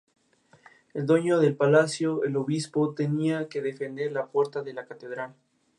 En altitudes elevadas, el efecto puede extenderse a grandes áreas, cientos de kilómetros.